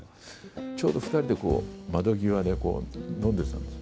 ちょうど２人で窓際で飲んでたんですよ。